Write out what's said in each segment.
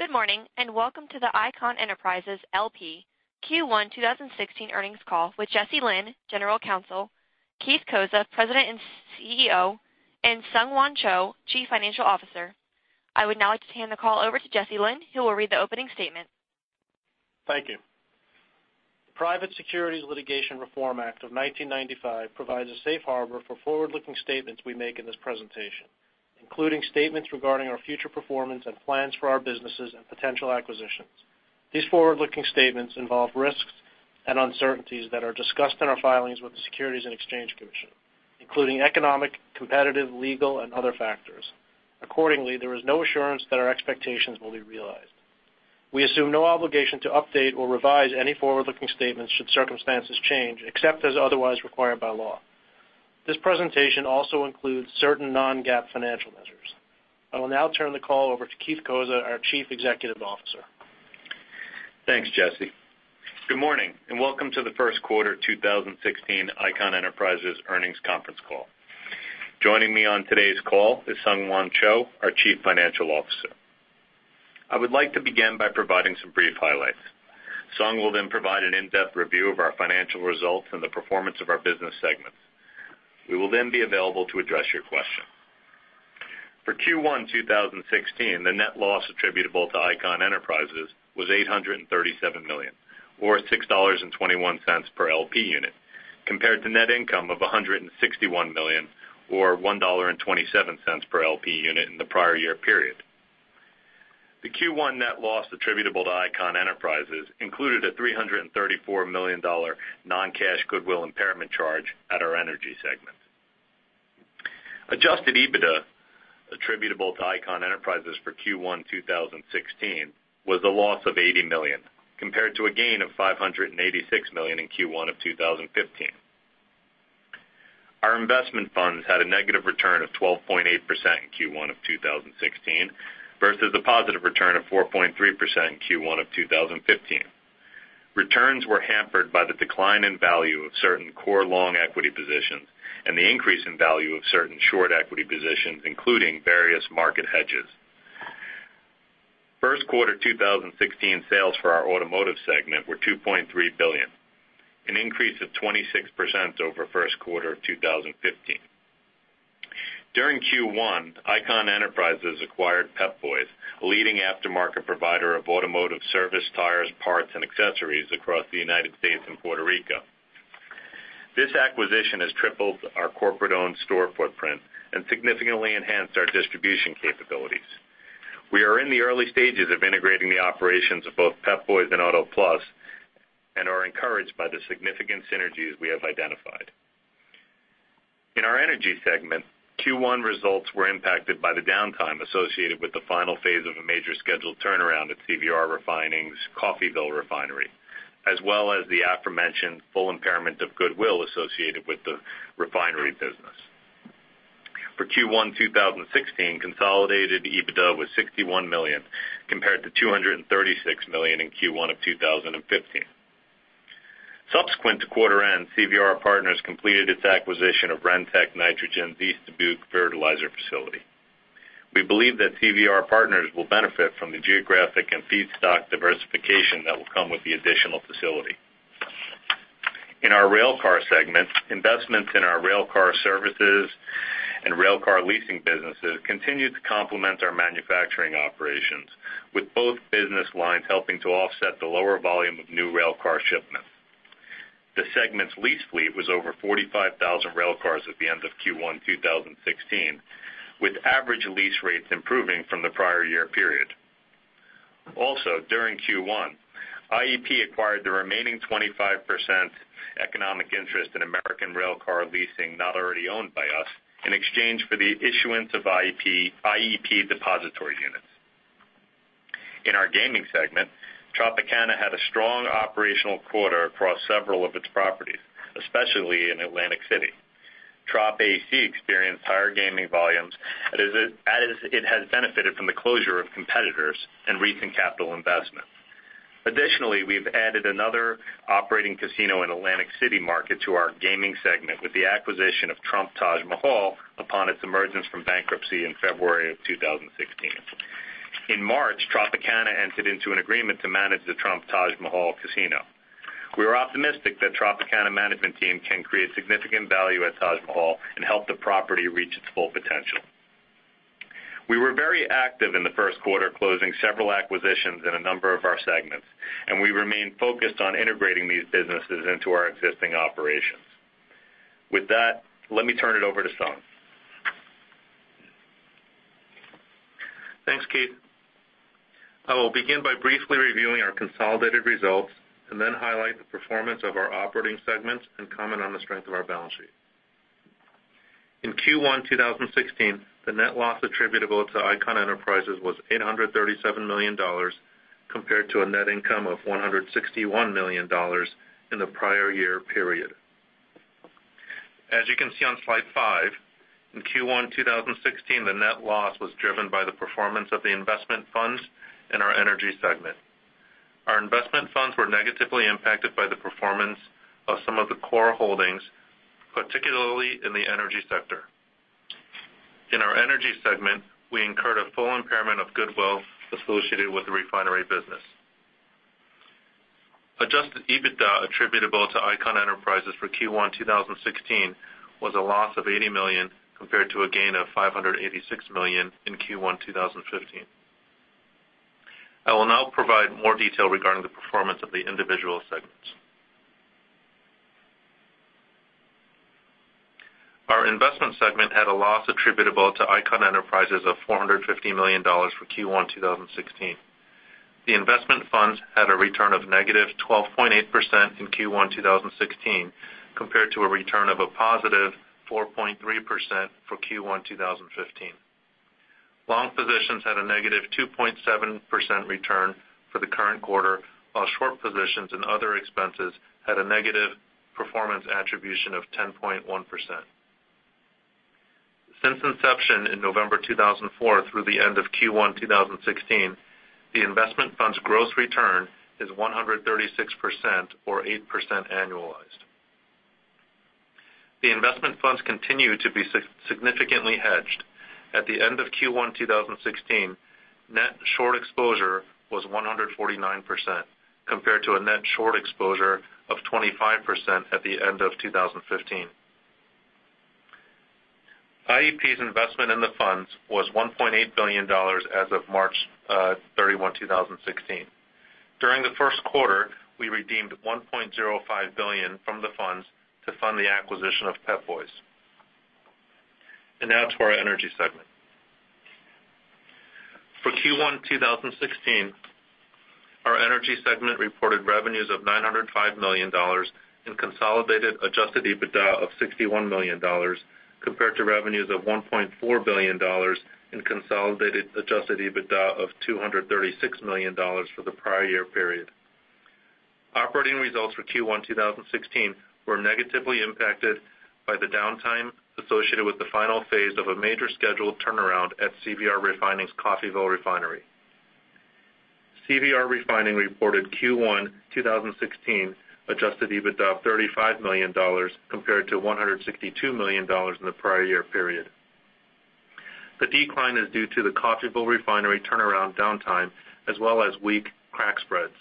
Good morning, welcome to the Icahn Enterprises L.P. Q1 2016 earnings call with Jesse Lynn, General Counsel, Keith Cozza, President and CEO, and SungHwan Cho, Chief Financial Officer. I would now like to hand the call over to Jesse Lynn, who will read the opening statement. Thank you. The Private Securities Litigation Reform Act of 1995 provides a safe harbor for forward-looking statements we make in this presentation, including statements regarding our future performance and plans for our businesses and potential acquisitions. These forward-looking statements involve risks and uncertainties that are discussed in our filings with the Securities and Exchange Commission, including economic, competitive, legal, and other factors. Accordingly, there is no assurance that our expectations will be realized. We assume no obligation to update or revise any forward-looking statements should circumstances change, except as otherwise required by law. This presentation also includes certain non-GAAP financial measures. I will now turn the call over to Keith Cozza, our Chief Executive Officer. Thanks, Jesse. Good morning, welcome to the first quarter 2016 Icahn Enterprises earnings conference call. Joining me on today's call is SungHwan Cho, our Chief Financial Officer. I would like to begin by providing some brief highlights. Sung will then provide an in-depth review of our financial results and the performance of our business segments. We will then be available to address your questions. For Q1 2016, the net loss attributable to Icahn Enterprises was $837 million, or $6.21 per LP unit, compared to net income of $161 million, or $1.27 per LP unit in the prior year period. The Q1 net loss attributable to Icahn Enterprises included a $334 million non-cash goodwill impairment charge at our energy segment. Adjusted EBITDA attributable to Icahn Enterprises for Q1 2016 was a loss of $80 million, compared to a gain of $586 million in Q1 of 2015. Our investment funds had a negative return of 12.8% in Q1 of 2016 versus a positive return of 4.3% in Q1 of 2015. Returns were hampered by the decline in value of certain core long equity positions and the increase in value of certain short equity positions, including various market hedges. First quarter 2016 sales for our automotive segment were $2.3 billion, an increase of 26% over first quarter 2015. During Q1, Icahn Enterprises acquired Pep Boys, a leading aftermarket provider of automotive service, tires, parts, and accessories across the United States and Puerto Rico. This acquisition has tripled our corporate-owned store footprint and significantly enhanced our distribution capabilities. We are in the early stages of integrating the operations of both Pep Boys and Auto Plus and are encouraged by the significant synergies we have identified. In our energy segment, Q1 results were impacted by the downtime associated with the final phase of a major scheduled turnaround at CVR Refining's Coffeyville Refinery, as well as the aforementioned full impairment of goodwill associated with the refinery business. For Q1 2016, consolidated EBITDA was $61 million, compared to $236 million in Q1 of 2015. Subsequent to quarter end, CVR Partners completed its acquisition of Rentech Nitrogen's East Dubuque fertilizer facility. We believe that CVR Partners will benefit from the geographic and feedstock diversification that will come with the additional facility. In our railcar segment, investments in our railcar services and railcar leasing businesses continued to complement our manufacturing operations, with both business lines helping to offset the lower volume of new railcar shipments. The segment's lease fleet was over 45,000 railcars at the end of Q1 2016, with average lease rates improving from the prior year period. During Q1, IEP acquired the remaining 25% economic interest in American Railcar Leasing not already owned by us in exchange for the issuance of IEP depository units. In our gaming segment, Tropicana had a strong operational quarter across several of its properties, especially in Atlantic City. Trop AC experienced higher gaming volumes as it has benefited from the closure of competitors and recent capital investments. Additionally, we've added another operating casino in Atlantic City market to our gaming segment with the acquisition of Trump Taj Mahal upon its emergence from bankruptcy in February of 2016. In March, Tropicana entered into an agreement to manage the Trump Taj Mahal casino. We are optimistic that Tropicana management team can create significant value at Taj Mahal and help the property reach its full potential. We were very active in the first quarter, closing several acquisitions in a number of our segments, and we remain focused on integrating these businesses into our existing operations. With that, let me turn it over to Sung. Thanks, Keith. I will begin by briefly reviewing our consolidated results and then highlight the performance of our operating segments and comment on the strength of our balance sheet. In Q1 2016, the net loss attributable to Icahn Enterprises was $837 million, compared to a net income of $161 million in the prior year period. As you can see on slide five, in Q1 2016, the net loss was driven by the performance of the investment funds in our energy segment. were negatively impacted by the performance of some of the core holdings, particularly in the energy sector. In our energy segment, we incurred a full impairment of goodwill associated with the refinery business. Adjusted EBITDA attributable to Icahn Enterprises for Q1 2016 was a loss of $80 million, compared to a gain of $586 million in Q1 2015. I will now provide more detail regarding the performance of the individual segments. Our investment segment had a loss attributable to Icahn Enterprises of $450 million for Q1 2016. The investment funds had a return of negative 12.8% in Q1 2016, compared to a return of a positive 4.3% for Q1 2015. Long positions had a negative 2.7% return for the current quarter, while short positions and other expenses had a negative performance attribution of 10.1%. Since inception in November 2004 through the end of Q1 2016, the investment fund's gross return is 136%, or 8% annualized. The investment funds continue to be significantly hedged. At the end of Q1 2016, net short exposure was 149%, compared to a net short exposure of 25% at the end of 2015. IEP's investment in the funds was $1.8 billion as of March 31, 2016. During the first quarter, we redeemed $1.05 billion from the funds to fund the acquisition of Pep Boys. Now to our energy segment. For Q1 2016, our energy segment reported revenues of $905 million in consolidated adjusted EBITDA of $61 million, compared to revenues of $1.4 billion in consolidated adjusted EBITDA of $236 million for the prior year period. Operating results for Q1 2016 were negatively impacted by the downtime associated with the final phase of a major scheduled turnaround at CVR Refining's Coffeyville Refinery. CVR Refining reported Q1 2016 adjusted EBITDA of $35 million, compared to $162 million in the prior year period. The decline is due to the Coffeyville Refinery turnaround downtime, as well as weak crack spreads.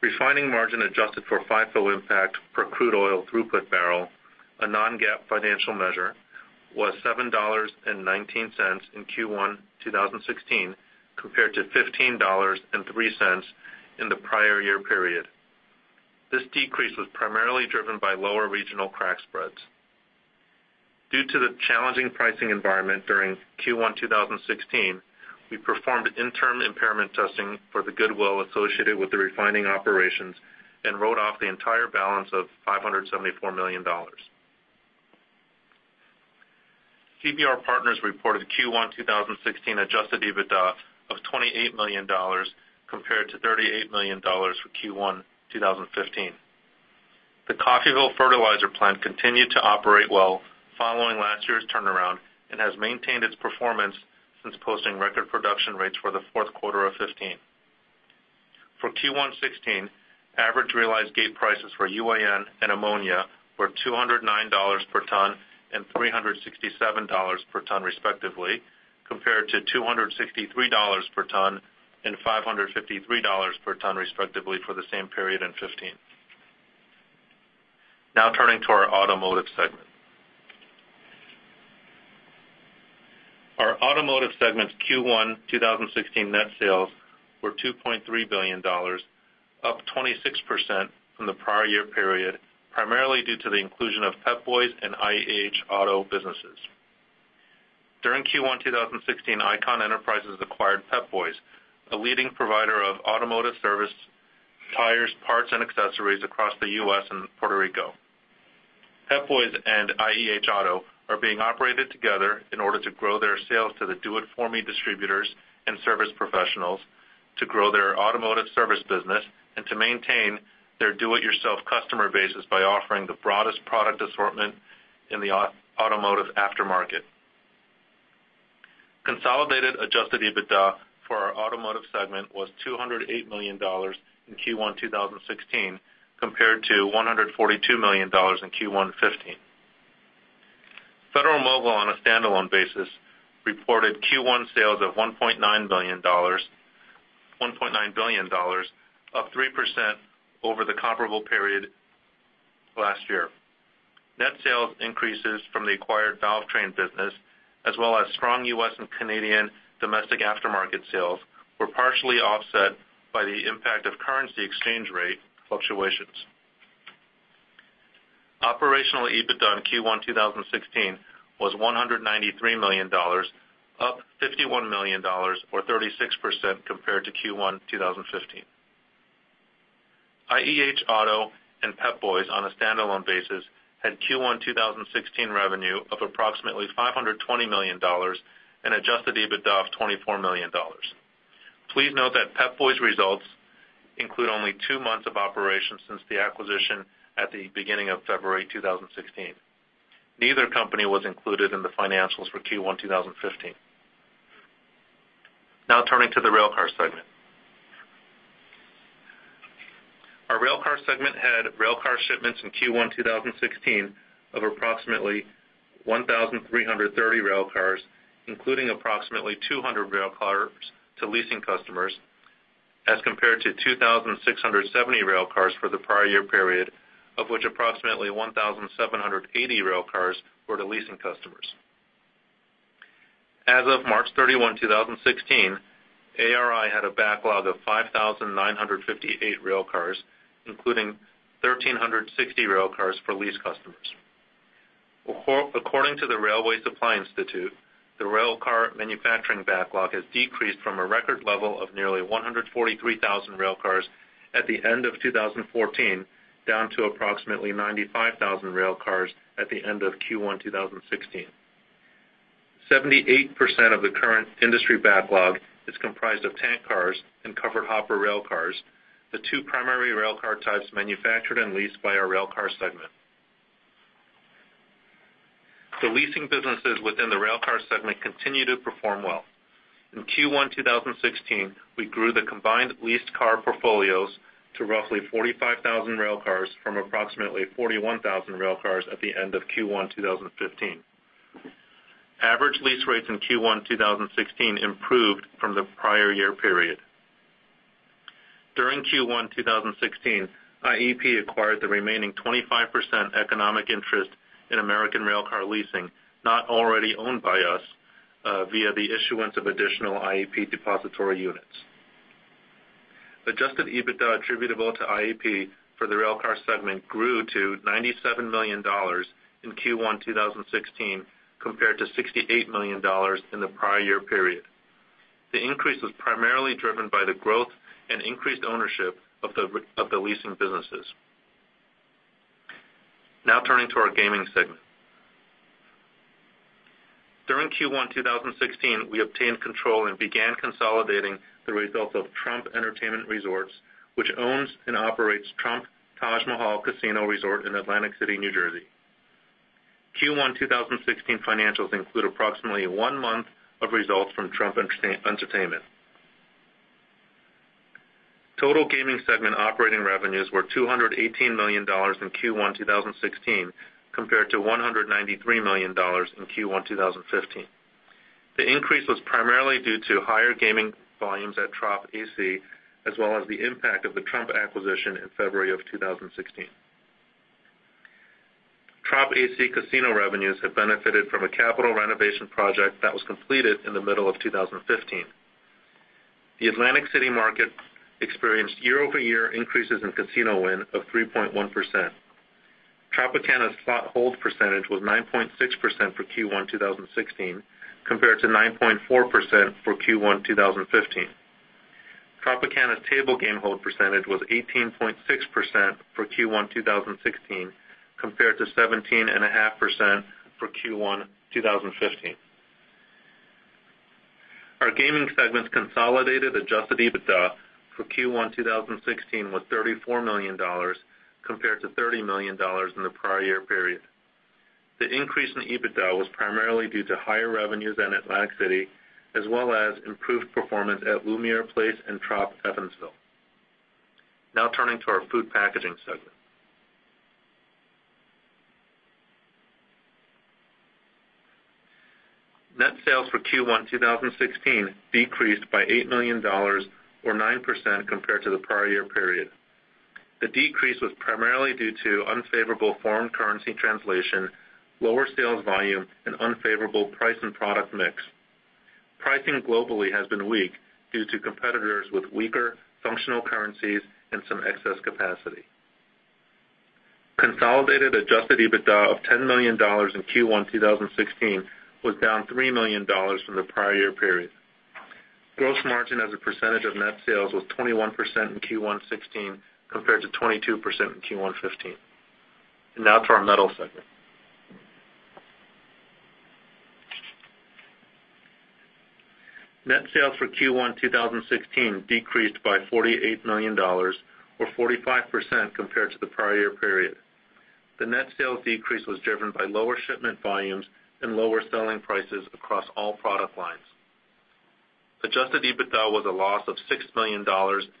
Refining margin adjusted for FIFO impact per crude oil throughput barrel, a non-GAAP financial measure, was $7.19 in Q1 2016, compared to $15.03 in the prior year period. This decrease was primarily driven by lower regional crack spreads. Due to the challenging pricing environment during Q1 2016, we performed interim impairment testing for the goodwill associated with the refining operations and wrote off the entire balance of $574 million. CVR Partners reported Q1 2016 adjusted EBITDA of $28 million compared to $38 million for Q1 2015. The Coffeyville fertilizer plant continued to operate well following last year's turnaround and has maintained its performance since posting record production rates for the fourth quarter of 2015. For Q1 2016, average realized gate prices for UAN and ammonia were $209 per ton and $367 per ton respectively, compared to $263 per ton and $553 per ton respectively for the same period in 2015. Turning to our automotive segment. Our automotive segment's Q1 2016 net sales were $2.3 billion, up 26% from the prior year period, primarily due to the inclusion of Pep Boys and Icahn Automotive Group businesses. During Q1 2016, Icahn Enterprises acquired Pep Boys, a leading provider of automotive service, tires, parts, and accessories across the U.S. and Puerto Rico. Pep Boys and IEH Auto are being operated together in order to grow their sales to the do-it-for-me distributors and service professionals to grow their Automotive Service business and to maintain their do-it-yourself customer base by offering the broadest product assortment in the automotive aftermarket. Consolidated adjusted EBITDA for our Automotive Segment was $208 million in Q1 2016 compared to $142 million in Q1 2015. Federal-Mogul on a standalone basis reported Q1 sales of $1.9 billion, up 3% over the comparable period last year. Net sales increases from the acquired Valvetrain business, as well as strong U.S. and Canadian domestic aftermarket sales were partially offset by the impact of currency exchange rate fluctuations. Operational EBITDA in Q1 2016 was $193 million, up $51 million, or 36%, compared to Q1 2015. IEH Auto and Pep Boys on a standalone basis had Q1 2016 revenue of approximately $520 million and adjusted EBITDA of $24 million. Please note that Pep Boys results include only two months of operation since the acquisition at the beginning of February 2016. Neither company was included in the financials for Q1 2015. Now turning to the Railcar Segment. Our Railcar Segment had railcar shipments in Q1 2016 of approximately 1,330 railcars, including approximately 200 railcars to leasing customers, as compared to 2,670 railcars for the prior year period, of which approximately 1,780 railcars were to leasing customers. As of March 31, 2016, ARI had a backlog of 5,958 railcars, including 1,360 railcars for lease customers. According to the Railway Supply Institute, the railcar manufacturing backlog has decreased from a record level of nearly 143,000 railcars at the end of 2014, down to approximately 95,000 railcars at the end of Q1 2016. 78% of the current industry backlog is comprised of tank cars and covered hopper railcars, the two primary railcar types manufactured and leased by our Railcar Segment. The leasing businesses within the Railcar Segment continue to perform well. In Q1 2016, we grew the combined leased car portfolios to roughly 45,000 railcars from approximately 41,000 railcars at the end of Q1 2015. Average lease rates in Q1 2016 improved from the prior year period. During Q1 2016, IEP acquired the remaining 25% economic interest in American Railcar Leasing not already owned by us via the issuance of additional IEP depository units. Adjusted EBITDA attributable to IEP for the Railcar Segment grew to $97 million in Q1 2016 compared to $68 million in the prior year period. The increase was primarily driven by the growth and increased ownership of the leasing businesses. Now turning to our Gaming Segment. During Q1 2016, we obtained control and began consolidating the results of Trump Entertainment Resorts, which owns and operates Trump Taj Mahal Casino Resort in Atlantic City, New Jersey. Q1 2016 financials include approximately one month of results from Trump Entertainment. Total Gaming Segment operating revenues were $218 million in Q1 2016 compared to $193 million in Q1 2015. The increase was primarily due to higher gaming volumes at Trop AC as well as the impact of the Trump acquisition in February of 2016. Trop AC casino revenues have benefited from a capital renovation project that was completed in the middle of 2015. The Atlantic City market experienced year-over-year increases in casino win of 3.1%. Tropicana's slot hold percentage was 9.6% for Q1 2016 compared to 9.4% for Q1 2015. Tropicana's table game hold percentage was 18.6% for Q1 2016 compared to 17.5% for Q1 2015. Our Gaming segment's consolidated adjusted EBITDA for Q1 2016 was $34 million compared to $30 million in the prior year period. The increase in EBITDA was primarily due to higher revenues in Atlantic City as well as improved performance at Lumière Place and Trop Evansville. Turning to our Food Packaging segment. Net sales for Q1 2016 decreased by $8 million, or 9% compared to the prior year period. The decrease was primarily due to unfavorable foreign currency translation, lower sales volume, and unfavorable price and product mix. Pricing globally has been weak due to competitors with weaker functional currencies and some excess capacity. Consolidated adjusted EBITDA of $10 million in Q1 2016 was down $3 million from the prior year period. Gross margin as a percentage of net sales was 21% in Q1 '16 compared to 22% in Q1 '15. Now to our Metals segment. Net sales for Q1 2016 decreased by $48 million or 45% compared to the prior year period. The net sales decrease was driven by lower shipment volumes and lower selling prices across all product lines. Adjusted EBITDA was a loss of $6 million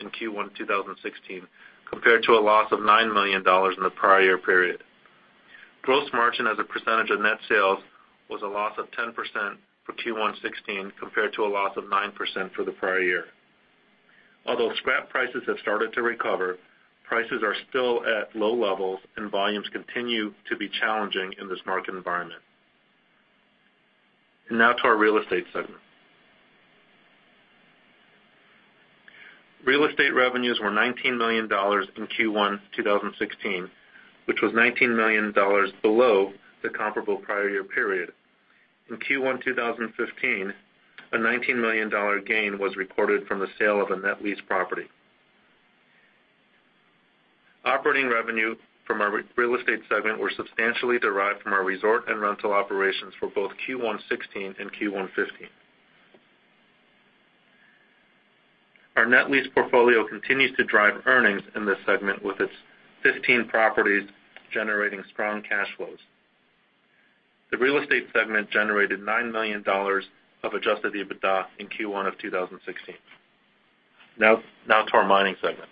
in Q1 2016 compared to a loss of $9 million in the prior year period. Gross margin as a percentage of net sales was a loss of 10% for Q1 '16 compared to a loss of 9% for the prior year. Although scrap prices have started to recover, prices are still at low levels and volumes continue to be challenging in this market environment. Now to our Real Estate segment. Real Estate revenues were $19 million in Q1 2016, which was $19 million below the comparable prior year period. In Q1 2015, a $19 million gain was recorded from the sale of a net leased property. Operating revenue from our Real Estate segment were substantially derived from our resort and rental operations for both Q1 '16 and Q1 '15. Our net lease portfolio continues to drive earnings in this segment with its 15 properties generating strong cash flows. The Real Estate segment generated $9 million of adjusted EBITDA in Q1 of 2016. To our Mining segment.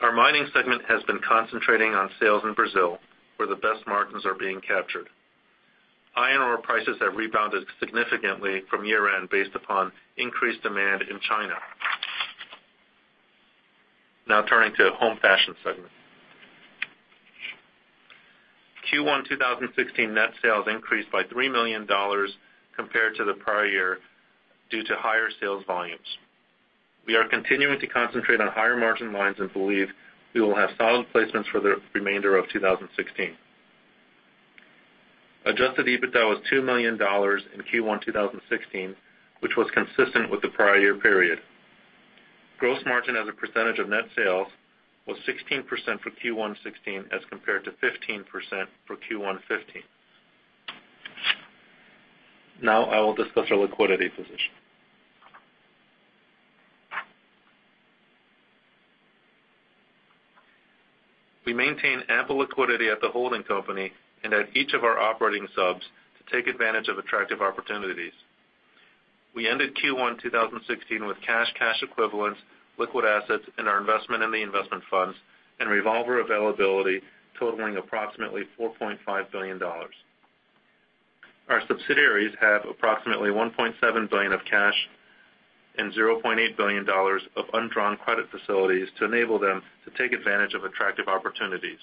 Our Mining segment has been concentrating on sales in Brazil, where the best margins are being captured. Iron ore prices have rebounded significantly from year-end based upon increased demand in China. Turning to Home Fashion segment. Q1 2016 net sales increased by $3 million compared to the prior year due to higher sales volumes. We are continuing to concentrate on higher margin lines and believe we will have solid placements for the remainder of 2016. Adjusted EBITDA was $2 million in Q1 2016, which was consistent with the prior year period. Gross margin as a percentage of net sales was 16% for Q1 '16 as compared to 15% for Q1 '15. I will discuss our liquidity position. We maintain ample liquidity at the holding company and at each of our operating subs to take advantage of attractive opportunities. We ended Q1 2016 with cash equivalents, liquid assets, and our investment in the investment funds and revolver availability totaling approximately $4.5 billion. Our subsidiaries have approximately $1.7 billion of cash and $0.8 billion of undrawn credit facilities to enable them to take advantage of attractive opportunities.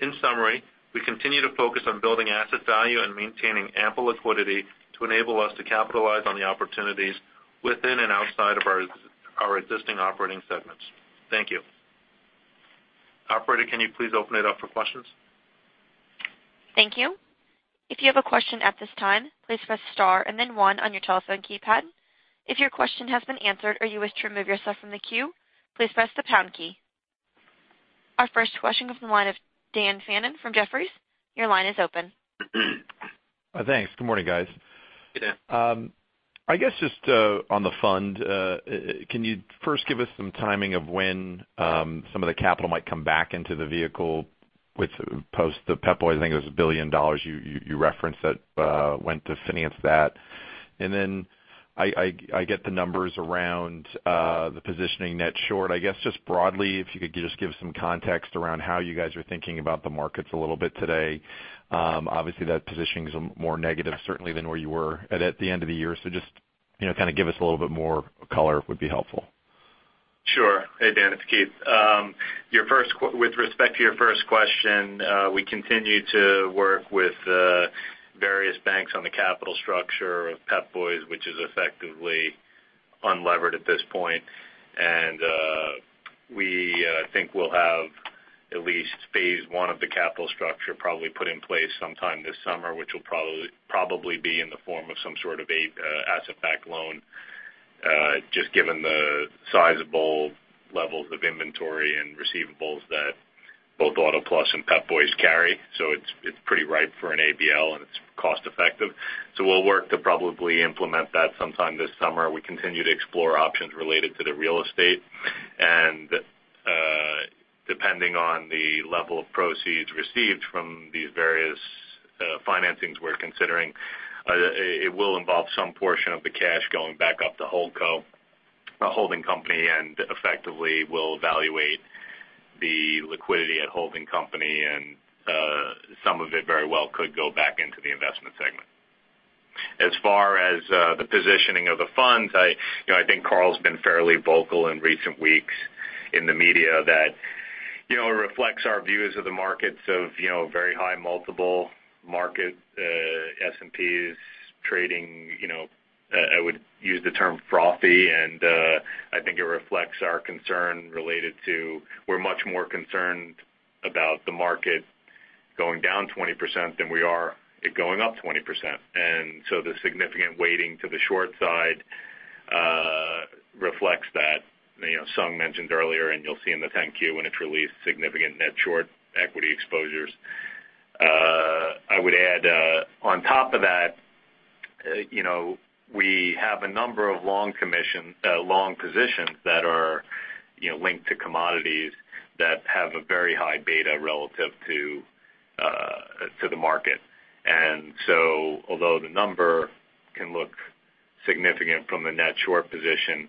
In summary, we continue to focus on building asset value and maintaining ample liquidity to enable us to capitalize on the opportunities within and outside of our existing operating segments. Thank you. Operator, can you please open it up for questions? Thank you. If you have a question at this time, please press star and then one on your telephone keypad. If your question has been answered or you wish to remove yourself from the queue, please press the pound key. Our first question comes from the line of Dan Fannon from Jefferies. Your line is open. Thanks. Good morning, guys. Hey, Dan. I guess just on the fund, can you first give us some timing of when some of the capital might come back into the vehicle with post the Pep Boys? I think it was $1 billion you referenced that went to finance that. I get the numbers around the positioning net short. Just broadly, if you could just give some context around how you guys are thinking about the markets a little bit today. Obviously, that positioning is more negative, certainly, than where you were at the end of the year. Just give us a little bit more color would be helpful. Sure. Hey, Dan. It's Keith. With respect to your first question, we continue to work with various banks on the capital structure of Pep Boys, which is effectively unlevered at this point. We think we'll have at least phase 1 of the capital structure probably put in place sometime this summer, which will probably be in the form of some sort of asset-backed loan, just given the sizable levels of inventory and receivables that both Auto Plus and Pep Boys carry. It's pretty ripe for an ABL, and it's cost-effective. We'll work to probably implement that sometime this summer. We continue to explore options related to the real estate. Depending on the level of proceeds received from these various financings we're considering, it will involve some portion of the cash going back up to holdco, a holding company, and effectively will evaluate the liquidity at holding company, and some of it very well could go back into the investment segment. As far as the positioning of the funds, I think Carl's been fairly vocal in recent weeks in the media that it reflects our views of the markets of very high multiple market S&Ps trading, I would use the term frothy, and I think it reflects our concern related to we're much more concerned about the market going down 20% than we are it going up 20%. The significant weighting to the short side reflects that. Sung mentioned earlier, and you'll see in the 10-Q when it's released, significant net short equity exposures. I would add, on top of that, we have a number of long positions that are linked to commodities that have a very high beta relative to the market. Although the number can look significant from a net short position,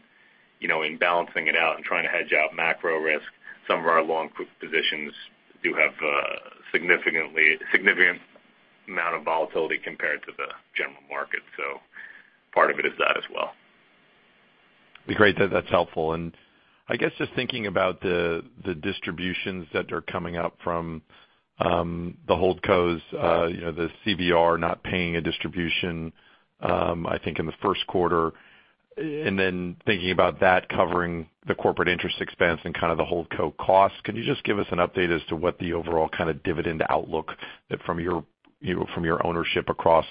in balancing it out and trying to hedge out macro risk, some of our long positions do have a significant amount of volatility compared to the general market. Part of it is that as well. Great. That's helpful. I guess just thinking about the distributions that are coming up from the holdcos, the CVR not paying a distribution, I think, in the first quarter, then thinking about that covering the corporate interest expense and kind of the holdco cost, can you just give us an update as to what the overall kind of dividend outlook from your ownership across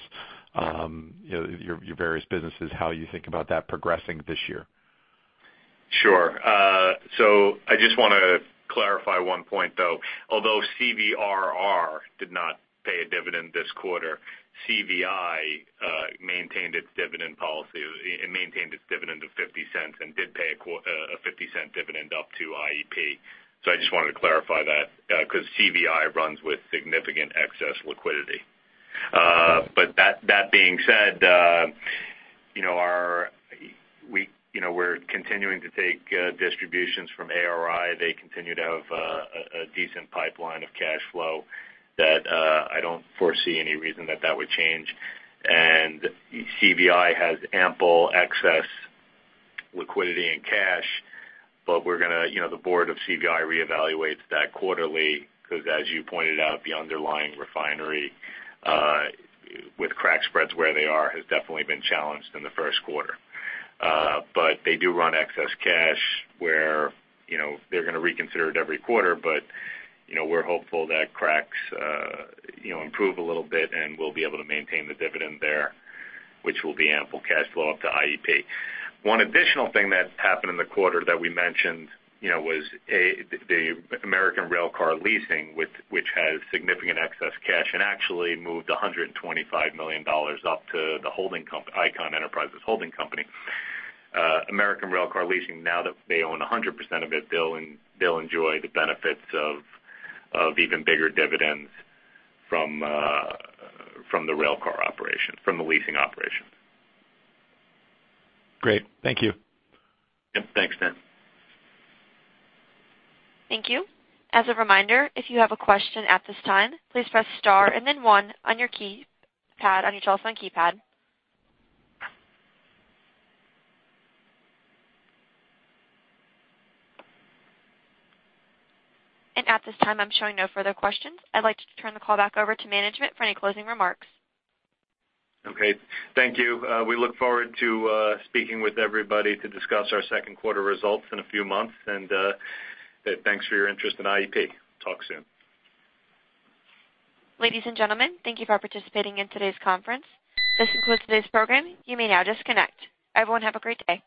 your various businesses, how you think about that progressing this year? Sure. I just want to clarify one point, though. Although CVR did not pay a dividend this quarter, CVI maintained its dividend policy. It maintained its dividend of $0.50 and did pay a $0.50 dividend up to IEP. I just wanted to clarify that, because CVI runs with significant excess liquidity. That being said, we're continuing to take distributions from ARI. They continue to have a decent pipeline of cash flow that I don't foresee any reason that that would change. CVI has ample excess liquidity and cash, but the board of CVI reevaluates that quarterly because, as you pointed out, the underlying refinery with crack spreads where they are has definitely been challenged in the first quarter. They do run excess cash where they're going to reconsider it every quarter, we're hopeful that cracks improve a little bit, and we'll be able to maintain the dividend there, which will be ample cash flow up to IEP. One additional thing that happened in the quarter that we mentioned was the American Railcar Leasing, which has significant excess cash and actually moved $125 million up to the Icahn Enterprises holding company. American Railcar Leasing, now that they own 100% of it, they'll enjoy the benefits of even bigger dividends from the railcar operation, from the leasing operation. Great. Thank you. Yep. Thanks, Dan. Thank you. As a reminder, if you have a question at this time, please press star and then one on your telephone keypad. At this time, I'm showing no further questions. I'd like to turn the call back over to management for any closing remarks. Okay. Thank you. We look forward to speaking with everybody to discuss our second quarter results in a few months. Thanks for your interest in IEP. Talk soon. Ladies and gentlemen, thank you for participating in today's conference. This concludes today's program. You may now disconnect. Everyone have a great day.